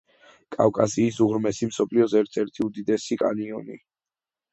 კავკასიის უღრმესი და მსოფლიოს ერთ-ერთი უდიდესი კანიონი.